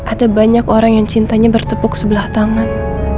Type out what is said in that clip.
ada banyak orang yang cintanya bertepuk sebelah tangan